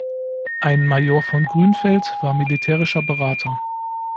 Ein Major von Grünfeld war militärischer Berater.